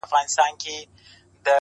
خدایه چي بیا به کله اورو کوچيانۍ سندري!!